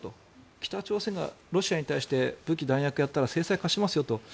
北朝鮮がロシアに対して武器・弾薬をやったら制裁を科しますよと。